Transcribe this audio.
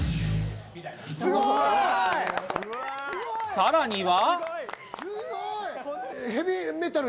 さらには。